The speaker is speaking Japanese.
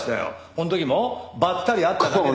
この時もばったり会っただけで。